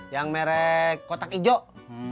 yang merek kotak hijau